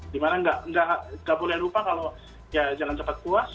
dimana nggak boleh lupa kalau ya jangan cepat puas